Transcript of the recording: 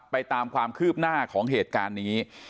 ตามความคืบหน้าของเหตุการณ์นี้